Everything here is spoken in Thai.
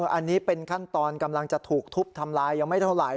อันนี้เป็นขั้นตอนกำลังจะถูกทุบทำลายยังไม่เท่าไหร่